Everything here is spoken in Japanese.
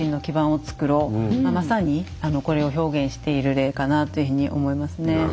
まさにこれを表現している例かなというふうに思いますね。